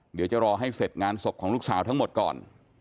เดี๋ยวจะรอให้เสร็จงานศพของลูกสาวทั้งหมดก่อน